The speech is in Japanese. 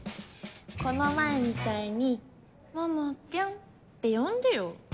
この前みたいに「桃ピョン」って呼んでよ。